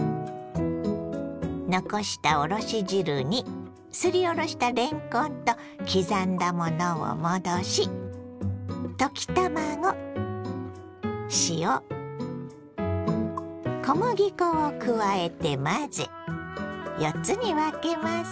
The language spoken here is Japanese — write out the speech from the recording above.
残したおろし汁にすりおろしたれんこんと刻んだものを戻しを加えて混ぜ４つに分けます。